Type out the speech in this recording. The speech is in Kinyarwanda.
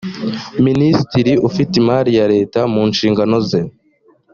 minisitiri ufite imari ya leta mu nshingano ze